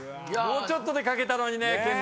もうちょっとで書けたのに健ね。